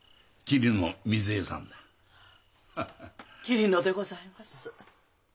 桐野でございます。